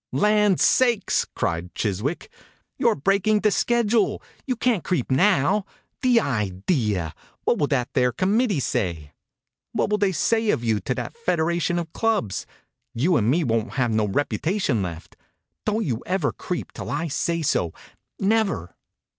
"Land sakes!" cried Chis wick. "You're breaking the schedule ! You can't creep now. The ideal What will that there committee say! What will they say of you to that federation of clubs! You and me won't have no reputation left. Don't you ever creep till I say so. Never!"